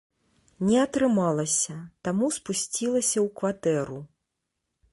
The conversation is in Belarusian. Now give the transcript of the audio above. Не атрымалася, таму спусцілася ў кватэру.